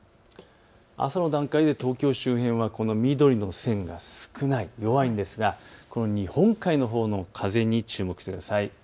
朝の段階で東京周辺はこの緑の線が少ない、弱いんですがこの日本海のほうの風に注目してください。